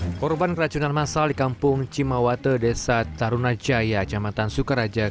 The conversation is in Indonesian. hai korban keracunan massal di kampung cimawate desa tarunajaya jamatan sukaraja